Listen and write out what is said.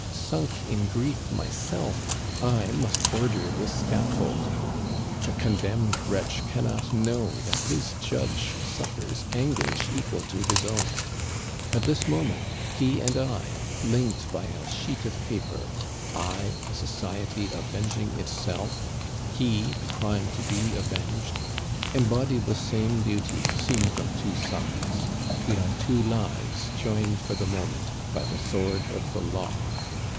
Sunk in grief myself, I must order the scaffold "The condemned wretch cannot know that his judge suffers anguish equal to his own. At this moment he and I, linked by a sheet of paper I, society avenging itself; he, the crime to be avenged embody the same duty seen from two sides; we are two lives joined for the moment by the sword of the law.